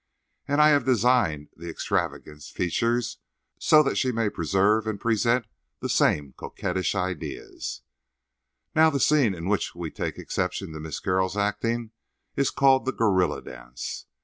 And I have designed the extravaganza features so that she may preserve and present the same coquettish idea. "Now, the scene in which we take exception to Miss Carroll's acting is called the 'gorilla dance.